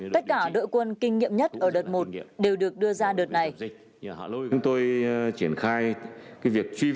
tất cả đội quân kinh nghiệm nhất ở đợt một đều được đưa ra đợt này